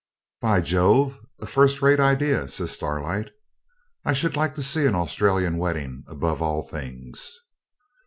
'By Jove! a first rate ideah,' says Starlight. 'I should like to see an Australian wedding above all things.'